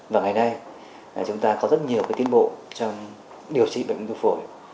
và ngày nay chúng ta có rất nhiều cái tiến bộ trong điều trị bệnh ung thư phổi